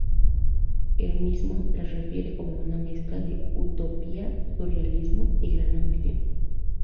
Él mismo las refiere como una mezcla "de utopía, surrealismo y gran ambición".